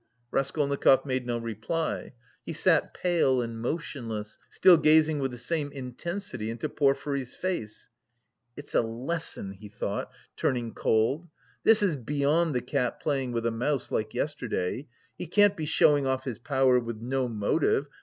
Raskolnikov made no reply; he sat pale and motionless, still gazing with the same intensity into Porfiry's face. "It's a lesson," he thought, turning cold. "This is beyond the cat playing with a mouse, like yesterday. He can't be showing off his power with no motive...